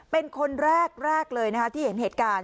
เป็นคนแรกเลยนะคะที่เห็นเหตุการณ์